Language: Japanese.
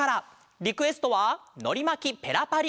リクエストは「のりまきペラパリおんど」です。